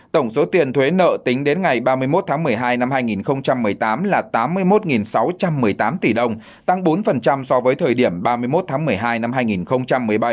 tổng số tiền thuế nợ tính đến ngày ba mươi một tháng một mươi hai năm hai nghìn một mươi tám là tám mươi một sáu trăm một mươi tám tỷ đồng tăng bốn so với thời điểm ba mươi một tháng một mươi hai năm hai nghìn một mươi bảy